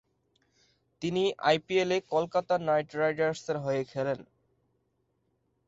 তিনি আইপিএলে কলকাতা নাইট রাইডার্সের হয়ে খেলেন।